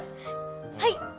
はい。